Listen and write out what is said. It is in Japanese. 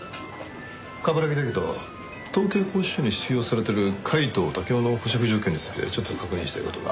冠城だけど東京拘置所に収容されてる皆藤武雄の保釈状況についてちょっと確認したい事が。